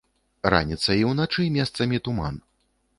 Раніцай і ўначы месцамі туман.